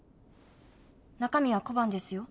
中身は小判ですよ。